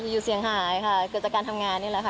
อยู่เสียงหายค่ะเกิดจากการทำงานนี่แหละค่ะ